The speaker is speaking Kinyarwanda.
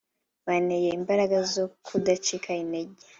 byanteye imbaraga zo kudacika intege